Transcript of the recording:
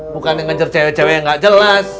bukan yang ngejar cewek cewek yang gak jelas